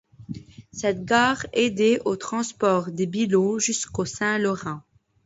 Cette gare aidait au transport des billots jusqu'au St-Laurent.